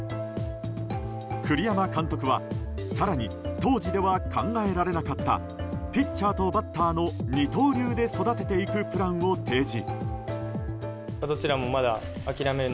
栗山監督は更に当時では考えられなかったピッチャーとバッターの二刀流で育てていくプランを提示。